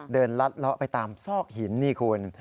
เดินลัดล้อไปตามซอกหินนี่คุณ